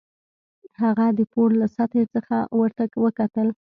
هغه د پوړ له سطحې څخه ورته وکتل